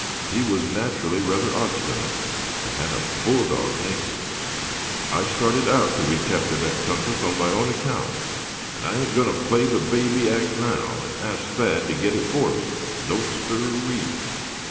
He was naturally rather obstinate, and had a bulldog nature. "I started out to recapture that compass on my own account, and I ain't going to play the baby act now, and ask Thad to get it for me, no siree.